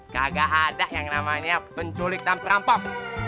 kagak ada yang namanya penculik dan perampok